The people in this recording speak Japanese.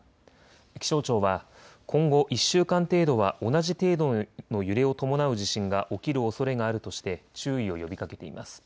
気象庁は、今後１週間程度は同じ程度の揺れを伴う地震が起きるおそれがあるとして、注意を呼びかけています。